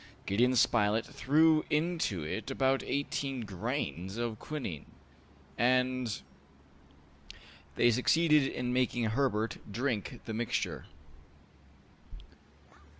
Gideon Spilett threw into it about eighteen grains of quinine, and they succeeded in making Herbert drink the mixture.